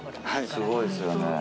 すごいですよね。